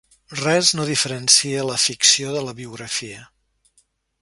Res no diferencia la ficció de la biografia.